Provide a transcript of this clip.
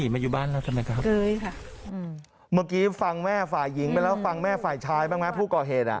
เมื่อกี้ฟังแม่ฝ่ายหญิงไปแล้วฟังแม่ฝ่ายชายบ้างไหมผู้ก่อเหตุ